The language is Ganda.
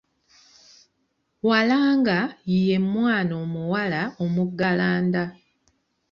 Walaanga ye mwana omuwala omuggalanda